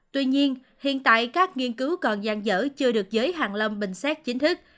tuy nhiên hiện tại các nghiên cứu còn gian dở chưa được giới hạn lâm bình xét chính thức